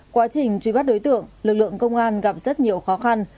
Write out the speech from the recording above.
quá trình truy bắt đối tượng lực lượng công an gặp rất nhiều khó khăn